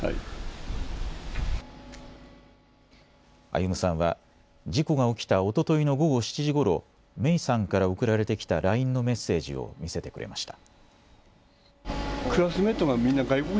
歩さんは事故が起きたおとといの午後７時ごろ、芽生さんから送られてきたＬＩＮＥのメッセージを見せてくれました。